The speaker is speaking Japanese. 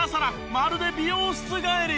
まるで美容室帰り。